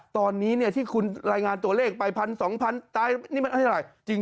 ตอนนี้ที่คุณรายงานตัวเลขไปพันธุ์๒พันธุ์ตายนี่มันอาจจะได้ไหม